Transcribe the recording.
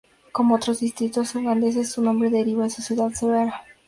Como otros distritos ugandeses, su nombre deriva de su "ciudad cabecera".